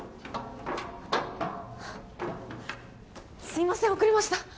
すいません遅れました！